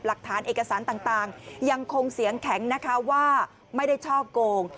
หลักฐานเอกสารต่างยังคงเสียงแข็งนะคะว่าไม่ได้ช่อโกง